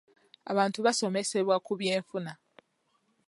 Abantu basomesebwa ku by'enfuna.